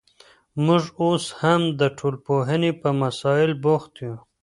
موږ اوس هم د ټولنپوهني په مسائل بوخت یو.